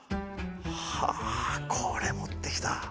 ははあこれ持ってきた。